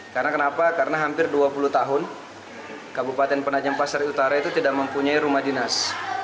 karena kenapa karena hampir dua puluh tahun kabupaten penajem pasar utara itu tidak mempunyai rumah dinas